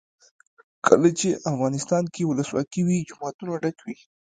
کله چې افغانستان کې ولسواکي وي جوماتونه ډک وي.